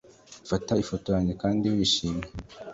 fata ifoto yanjye kandi wishime.